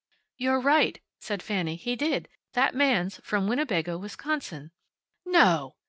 "You're right," said Fanny; "he did. That man's from Winnebago, Wisconsin." "No!"